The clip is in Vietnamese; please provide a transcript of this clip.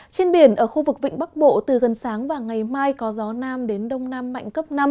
trên biển ở khu vực vịnh bắc bộ từ gần sáng và ngày mai có gió nam đến đông nam mạnh cấp năm